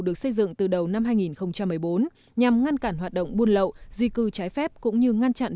được xây dựng từ đầu năm hai nghìn một mươi bốn nhằm ngăn cản hoạt động buôn lậu di cư trái phép cũng như ngăn chặn